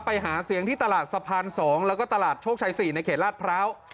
ไปหาเสียงที่ตลาดสะพาน๒แล้วก็ตลาดโชคชัย๔ในเขตลาดพร้าว